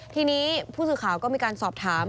ทีนี้ผู้สื่อข่าวก็มีการสอบถาม